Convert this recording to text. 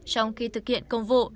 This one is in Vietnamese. trong khi thực hiện công vụ